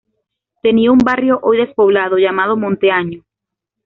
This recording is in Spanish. Tenía un barrio hoy despoblado llamado Monte Año.